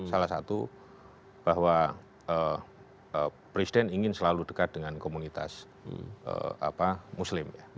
salah satu bahwa presiden ingin selalu dekat dengan komunitas muslim